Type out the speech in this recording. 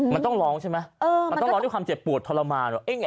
มันต้องร้องใช่ไหมมันต้องร้องด้วยความเจ็บปวดทรมานว่า